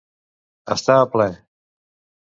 Estar a pler.